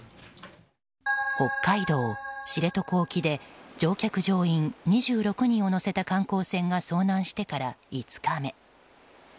北海道知床沖で乗客・乗員２６人を乗せた観光船が遭難してから５日目。